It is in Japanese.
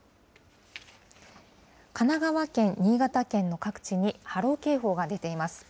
神奈川県、新潟県の各地に波浪警報が出ています。